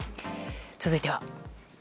続いては。